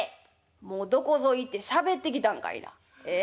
「もうどこぞ行ってしゃべってきたんかいなええ？